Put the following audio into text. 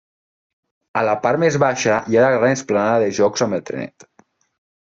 A la part més baixa hi ha la gran esplanada de jocs amb el trenet.